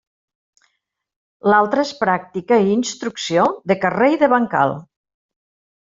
L'altre és pràctica i instrucció de carrer i de bancal.